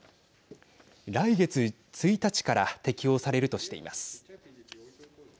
来月１日から適用されるとしています。